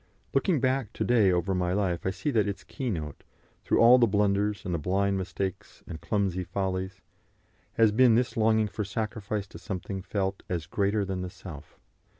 Looking back to day over my life, I see that its keynote through all the blunders, and the blind mistakes, and clumsy follies has been this longing for sacrifice to something felt as greater than the self.